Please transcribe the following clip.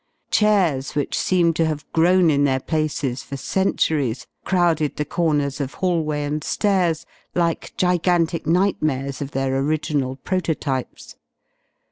Chairs which seemed to have grown in their places for centuries crowded the corners of hallway and stairs like gigantic nightmares of their original prototypes.